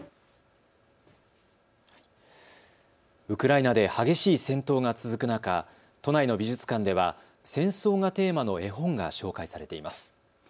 ウクライナで激しい戦闘が続く中、都内の美術館では戦争がテーマの絵本が紹介されています。